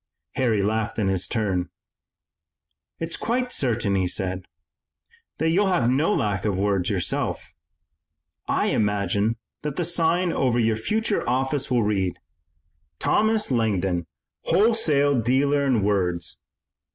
Harry laughed in his turn. "It's quite certain," he said, "that you'll have no lack of words yourself. I imagine that the sign over your future office will read, 'Thomas Langdon, wholesale dealer in words.